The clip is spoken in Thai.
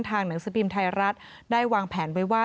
ทางหนังสปีมไทยรัฐได้วางแผนไว้ว่า